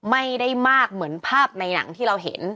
ไม่ได้มากเหมือนภาพในหนังที่เราเห็น